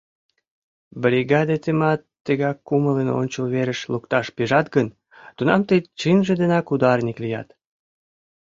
Бригадетымат тыгак кумылын ончыл верыш лукташ пижат гын, тунам тый чынже денак ударник лият.